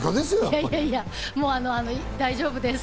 いやいやいや、大丈夫です！